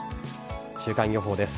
週間予報です。